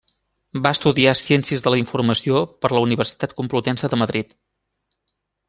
Va estudiar ciències de la informació per la Universitat Complutense de Madrid.